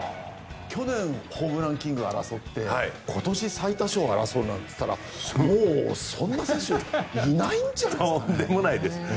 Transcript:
去年ホームランキングを争って今年は最多勝を争うなんてもうそんな選手いないんじゃないですかね。